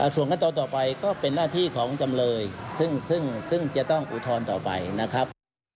ส่วนขั้นตอนต่อไปก็เป็นหน้าที่ของจำเลยซึ่งจะต้องอุทธรณ์ต่อไปนะครับ